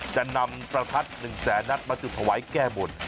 จะนำประทัด๑แสนนัดมาจุดถวายแก้บน